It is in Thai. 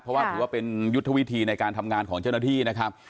เพราะว่าถือว่าเป็นยุทธวิธีในการทำงานของเจ้าหน้าที่นะครับ